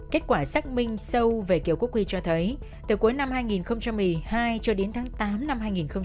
kết quả xác minh sâu về kiểu quốc huy cho thấy từ cuối năm hai nghìn một mươi hai cho đến tháng tám năm hai nghìn một mươi năm